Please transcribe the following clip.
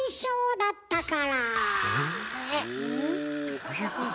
どういうこと？